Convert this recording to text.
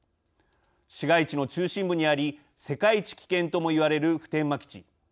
市街地の中心部にあり世界一危険ともいわれる普天間基地。